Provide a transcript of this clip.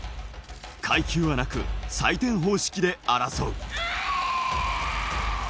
階級はなく、採点方式で争う。